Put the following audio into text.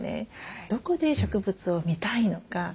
どこで植物を見たいのか。